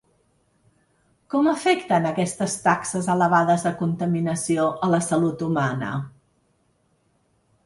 Com afecten aquestes taxes elevades de contaminació a la salut humana?